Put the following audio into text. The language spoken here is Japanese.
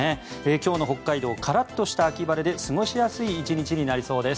今日の北海道カラッとした秋晴れで過ごしやすい１日になりそうです。